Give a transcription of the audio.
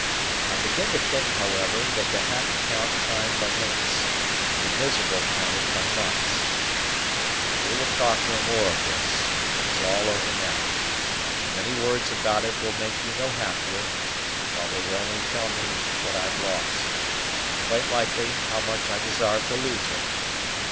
I begin to think, however, that the happy count time by minutes, and the miserable count it by months. But we will talk no more of this; it is all over now, and many words about it will make you no happier, while they will only tell me what I've lost; and quite likely how much I desarved to lose her.